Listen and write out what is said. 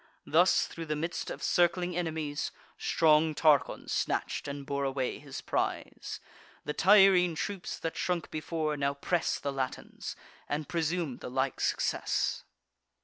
Thus, thro' the midst of circling enemies, Strong Tarchon snatch'd and bore away his prize. The Tyrrhene troops, that shrunk before, now press The Latins, and presume the like success.